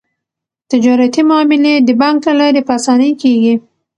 تجارتي معاملې د بانک له لارې په اسانۍ کیږي.